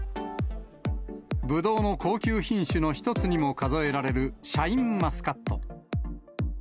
ぶどうの高級品種の一つにも数えられるシャインマスカット。